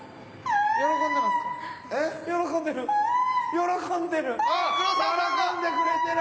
喜んでる！